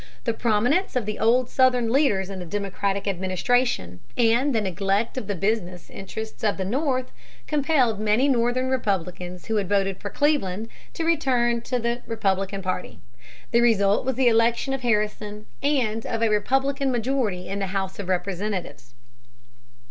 The prominence of the old Southern leaders in the Democratic administration, and the neglect of the business interests of the North, compelled many Northern Republicans who had voted for Cleveland to return to the Republican party. The result was the election of Harrison and of a Republican majority in the House of Representatives.